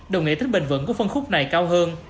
đồng nghĩa tính bình vận của phân khúc này cao hơn